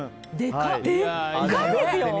でかいですよ！